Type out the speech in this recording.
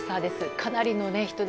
かなりの人出。